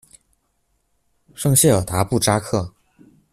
圣谢尔达布扎克。